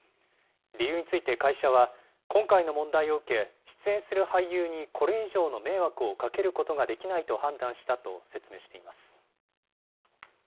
理由について会社は、今回の問題を受け、出演する俳優にこれ以上の迷惑をかけることができないと判断したと説明しています。